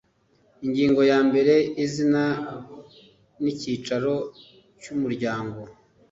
ingingo ya mbere izina n icyicaro cy umuryango